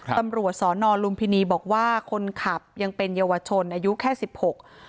ตำรวจสอนอลุมพินีบอกว่าคนขับยังเป็นเยาวชนอายุแค่สิบหก